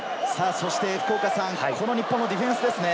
そして日本のディフェンスですね。